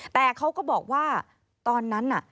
แต่เขาก็บอกว่าตอนนั้นน่ะ